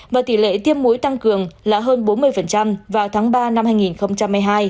và tỷ lệ tiêm muối tăng cường là hơn bốn mươi vào tháng ba năm hai nghìn hai mươi hai